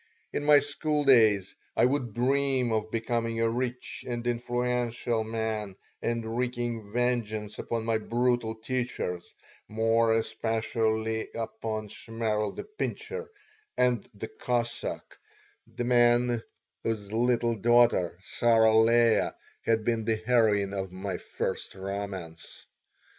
In my schooldays I would dream of becoming a rich and influential man and wreaking vengeance upon my brutal teachers, more especially upon Shmerl the Pincher and "the Cossack," the man whose little daughter, Sarah Leah, had been the heroine of my first romance.